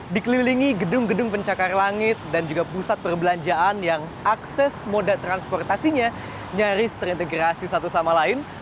dikelilingi gedung gedung pencakar langit dan juga pusat perbelanjaan yang akses moda transportasinya nyaris terintegrasi satu sama lain